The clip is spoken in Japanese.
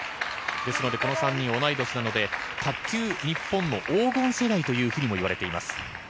ですので、この３人同い年なので卓球日本の黄金世代ともいわれています。